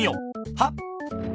はっ。